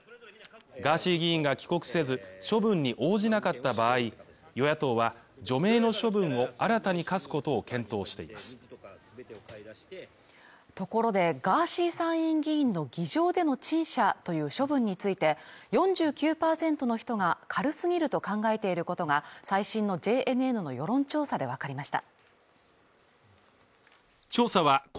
ガーシー議員が帰国せず処分に応じなかった場合、与野党は除名の処分を新たに科すことを検討していますところで、ガーシー参院議員の議場での陳謝という処分について４９％の人が軽すぎると考えていることが最新のＪＮＮの世論調査でわかりました。